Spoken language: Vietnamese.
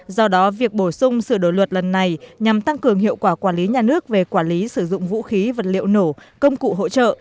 do đó việc bổ sung sửa đổi luật lần này nhằm tăng cường hiệu quả quản lý nhà nước về quản lý sử dụng vũ khí vật liệu nổ công cụ hỗ trợ